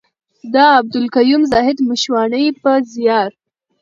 د عبدالقيوم زاهد مشواڼي په زيار.